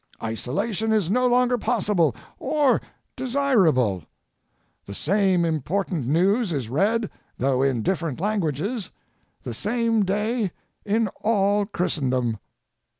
Isolation is no longer possible or desirable. The same important news is read, though in different lan guages, the same day in all Christendom.